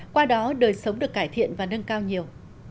qua đó đời sống được cải thiện và nâng cao nhiều